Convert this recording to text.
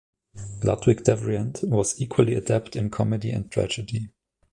Ludwig Devrient was equally adept in comedy and tragedy.